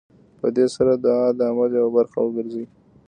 په دې سره دعا د عمل يوه برخه وګرځي.